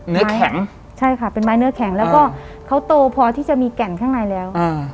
เนื้อแข็งใช่ค่ะเป็นไม้เนื้อแข็งแล้วก็เขาโตพอที่จะมีแก่นข้างในแล้ว